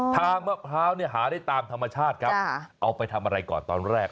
มะพร้าวหาได้ตามธรรมชาติครับเอาไปทำอะไรก่อนตอนแรก